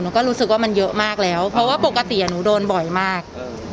ก็รู้สึกว่ามันเยอะมากแล้วเพราะว่าปกติหนูโดนบ่อยมาก